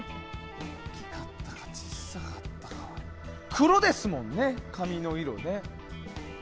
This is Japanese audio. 黒ですもんね、髪の色ね。